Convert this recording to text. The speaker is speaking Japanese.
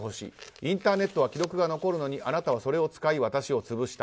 インターネットは記録が残るのにあなたはそれを使い私を潰した。